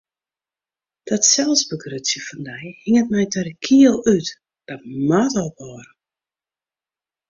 Dat selsbegrutsjen fan dy hinget my ta de kiel út, dat moat ophâlde!